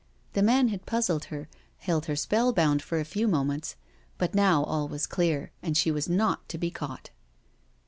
The man had puzzled her, held her spellbound a few moments, but now all was clear, and she was not to be caught.